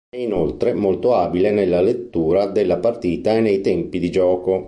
È inoltre molto abile nella lettura della partita e nei tempi di gioco.